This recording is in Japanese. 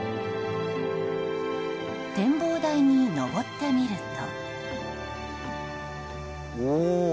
展望台に上ってみると。